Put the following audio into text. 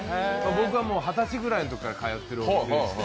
僕が二十歳ぐらいの時から通っているお店です。